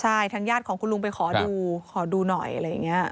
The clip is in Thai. ใช่ทางญาติของคุณลุงไปขอดูขอดูหน่อยอะไรอย่างนี้